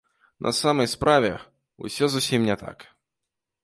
На самай справе ўсё зусім не так.